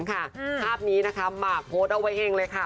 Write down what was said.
ภาพนี้นะคะหมากโพสต์เอาไว้เองเลยค่ะ